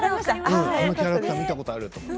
あのキャラクター見たことあると思って。